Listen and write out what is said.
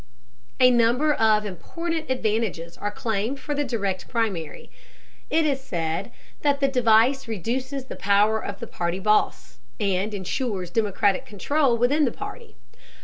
A number of important advantages are claimed for the Direct Primary. It is said that the device reduces the power of the party boss, and insures democratic control within the party.